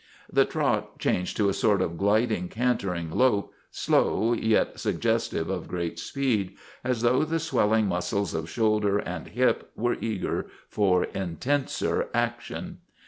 The trot changed to a sort of gliding, cantering lope, slow yet suggestive of great speed, as though the swelling muscles of shoulder and hip were eager for intenser action.